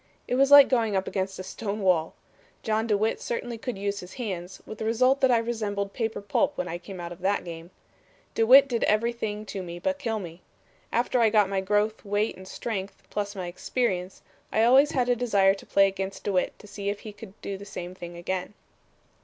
It was like going up against a stone wall. John DeWitt certainly could use his hands, with the result that I resembled paper pulp when I came out of that game. DeWitt did everything to me but kill me. After I got my growth, weight and strength, plus my experience, I always had a desire to play against DeWitt to see if he could the same thing again.